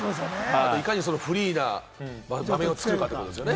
いかにフリーな場面を作るかということですよね。